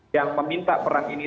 yang meminta peran ini